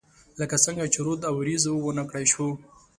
لکه څنګه چې رود او، اوریځو ونه کړای شوه